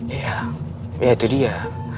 iya ya itu dia